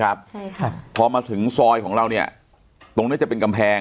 ใช่ค่ะพอมาถึงซอยของเราเนี้ยตรงเนี้ยจะเป็นกำแพง